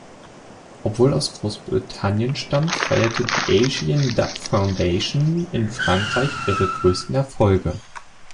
Obwohl aus Großbritannien stammend feiert die Asian Dub Foundation in Frankreich ihre größten Erfolge.